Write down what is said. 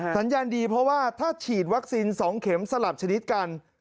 สัญญาณดีเพราะว่าถ้าฉีดวัคซีน๒เข็มสลับชนิดกัน